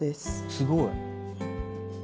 すごい！